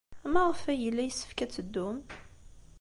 Maɣef ay yella yessefk ad teddum?